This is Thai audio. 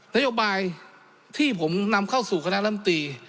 นโยบายที่ผมนำเข้าสู่คณะลำตี